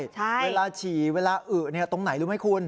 เวลาฉี่เวลาอึตรงไหนรู้ไหมคุณ